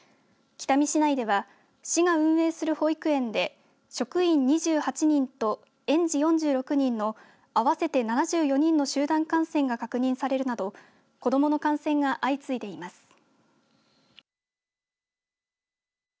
北見市内では市が運営する保育園で職員２８人と園児４６人の合わせて７４人の集団感染が確認されるなど子どもの感染が相次いでいます。